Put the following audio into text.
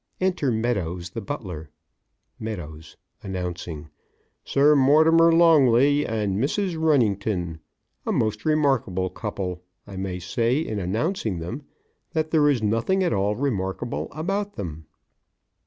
(Enter Meadows, the Butler) MEADOWS (announcing): Sir Mortimer Longley and Mrs. Wrennington, a most remarkable couple, I may say in announcing them, in that there is nothing at all remarkable about them.